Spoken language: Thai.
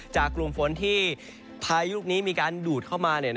กลุ่มฝนที่พายุลูกนี้มีการดูดเข้ามา